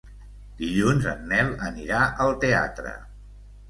Dilluns en Nel anirà al teatre.